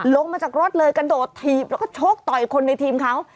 ลงมาจากรถเลยกระโดดถีบแล้วก็ชกต่อยคนในทีมเขา